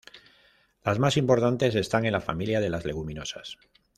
Las más importantes están en la familia de las leguminosas.